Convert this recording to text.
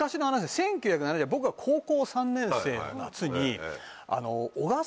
１９７０年僕が高校３年生の夏に。